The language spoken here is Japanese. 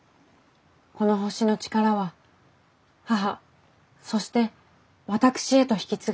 この星の力は母そして私へと引き継がれています。